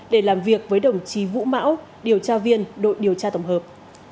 để làm việc với đồng chí vũ mão điều tra viên đội điều tra tổng hợp